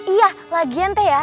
iya lagian teh ya